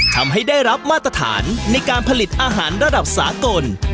ทำให้ได้รับมาตรฐานในการผลิตอาหารระดับสากล